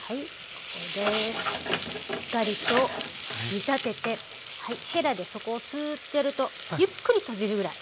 これでしっかりと煮たててへらで底をスーッてやるとゆっくり閉じるぐらい。